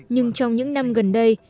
nhưng trong những năm gần đây